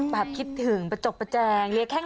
นานพี่เขาเปียกหมดแล้วนะ